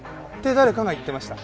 誰かが言ってました。